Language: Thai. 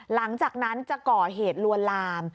หลังจากนั้นจะก่อเหตุลวนลาม